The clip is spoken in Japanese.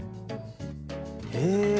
へえ。